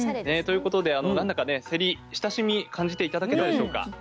はいえということで何だかねせり親しみ感じて頂けたでしょうか。